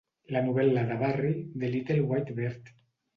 La novel·la de Barrie "The Little White Bird".